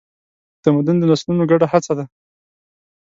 تمدن د نسلونو ګډه هڅه ده.